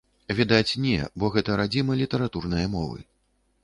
Відаць, не, бо гэта радзіма літаратурнае мовы.